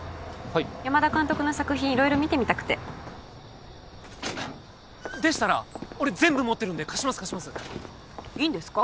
はい山田監督の作品色々見てみたくてでしたら俺全部持ってるんで貸します貸しますいいんですか？